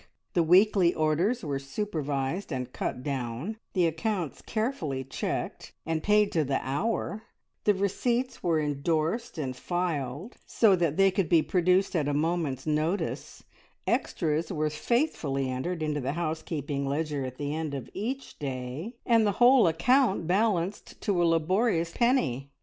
The weekly orders were supervised and cut down, the accounts carefully checked and paid to the hour, the receipts were endorsed and filed, so that they could be produced at a moment's notice; extras were faithfully entered into the housekeeping ledger at the end of each day, and the whole account balanced to a laborious penny.